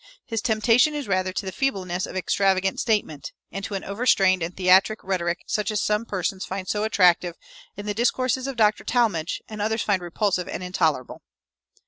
His temptation is rather to the feebleness of extravagant statement, and to an overstrained and theatric rhetoric such as some persons find so attractive in the discourses of Dr. Talmage, and others find repulsive and intolerable.